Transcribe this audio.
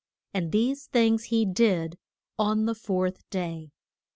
And these things he did on the fourth day.